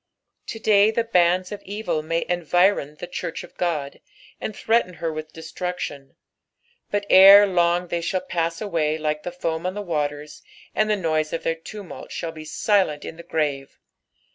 To day the bands of evil may environ the church of Qod, and threaten her with destruction ; but ere long they shall pass away like the foam on the waters, and the noise of their tumult shall be silent in the grave.